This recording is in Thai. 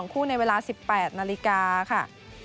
คู่ในเวลา๑๘นาฬิกาค่ะ